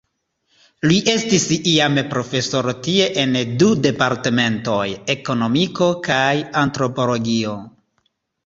Li estis iame profesoro tie en du departementoj, Ekonomiko kaj Antropologio.